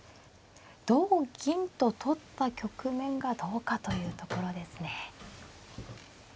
同銀と取った局面がどうかというところですね。